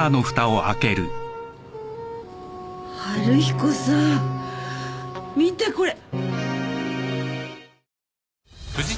春彦さん見てこれ。